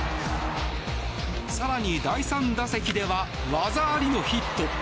更に、第３打席では技ありのヒット。